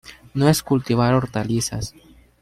No es cultivar hortalizas.